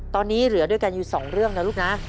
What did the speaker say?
ตอนนี้เหลือด้วยกันอยู่๒เรื่องนะลูกนะ